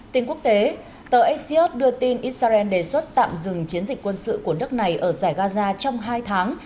tiếng quốc tế tờ axios đưa tin israel đề xuất tạm dừng chiến dịch quân sự của đất này ở giải gaza trong hai tháng